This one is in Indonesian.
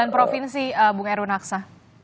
sembilan provinsi bung erwin aksa